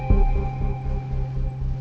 telah dil relay